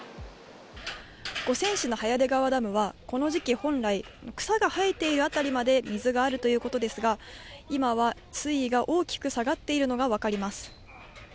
五泉市の早出川ダムは、この時期、本来、草が生えている辺りまで水があるということですが、今は水位が大きく下がっているのが分かります。